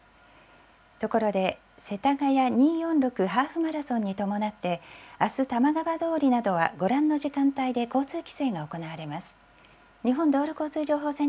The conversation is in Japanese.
ところで、世田谷２４６ハーフマラソンに伴って、あす、玉川通りなどは、ご覧の時間帯で交通規制が行われます。